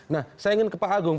nah saya ingin ke pak agung